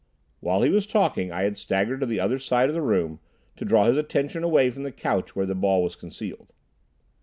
While he was talking, I had staggered to the other side of the room, to draw his attention away from the couch where the ball was concealed.